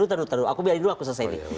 aku biarin dulu aku selesai nih